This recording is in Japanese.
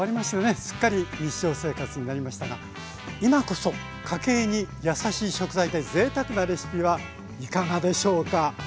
すっかり日常生活になりましたが今こそ家計に優しい食材でぜいたくなレシピはいかがでしょうか。